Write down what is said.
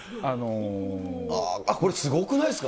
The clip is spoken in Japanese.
これ、すごくないですか。